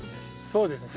そうですね。